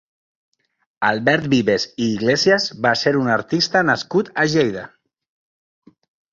Albert Vives i Iglésias va ser un artista nascut a Lleida.